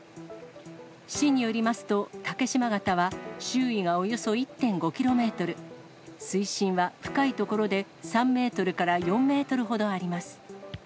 市によりますと、竹嶋潟は周囲がおよそ１．５キロメートル、水深は深い所で３メートルから４メートルほどあります。